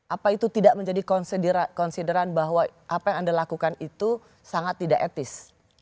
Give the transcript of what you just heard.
apa itu tidak menjadi konsideran bahwa apa yang anda lakukan itu sangat tidak etis